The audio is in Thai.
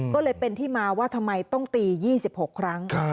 ก็เลยเป็นที่มาว่าทำไมต้องตี๒๖ครั้ง